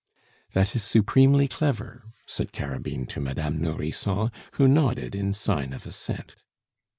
"That is supremely clever!" said Carabine to Madame Nourrisson, who nodded in sign of assent.